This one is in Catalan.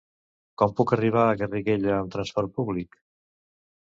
Com puc arribar a Garriguella amb trasport públic?